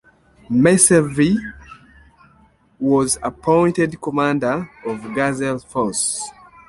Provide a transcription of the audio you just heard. Messervy was appointed commander of "Gazelle Force".